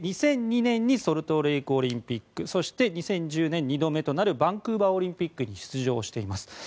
２００２年にソルトレークシティーオリンピックそして２０１０年２度目となるバンクーバーオリンピックに出動しています。